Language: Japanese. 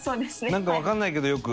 なんかわからないけどよく。